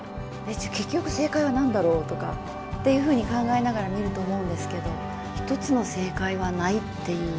じゃ結局正解は何だろうとかっていうふうに考えながら見ると思うんですけど１つの正解はないっていう。